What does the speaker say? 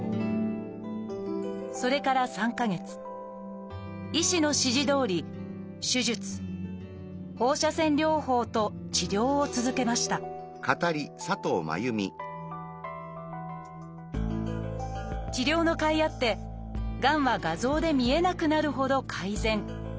それから３か月医師の指示どおり手術放射線療法と治療を続けました治療のかいあってがんは画像で見えなくなるほど改善。